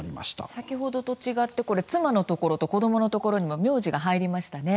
先ほどと違って妻のところと子どものところにも名字が入りましたね。